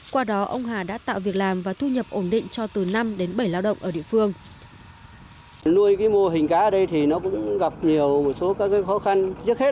qua đó ông hà đã tạo việc làm và thu nhập ổn định cho từ năm đến bảy lao động ở địa phương